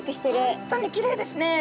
本当にきれいですね。